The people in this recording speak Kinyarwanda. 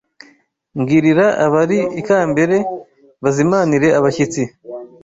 Mbwirira abari ikambere bazimanire abashyitsi